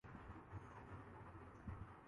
Pakistani media میں اتنی جرآت نہیں کہ